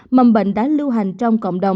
mầm bệnh đã lưu hành trong cộng đồng